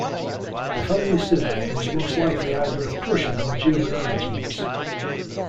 The family surname is most likely either of Prussian or German origins.